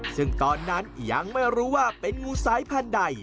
ซึ่งตอนนั้นยังไม่รู้ว่าเป็นงูสายพันธุ์ใด